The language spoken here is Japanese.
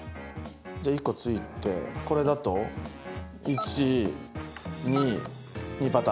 じゃあ１個ついてこれだと１２２パターンね。